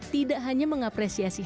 tidak hanya mengapresiasi hati